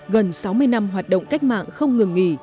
gần sáu mươi năm hoạt động cách mạng không ngừng nghỉ